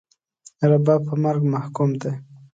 رباب په مرګ محکوم دی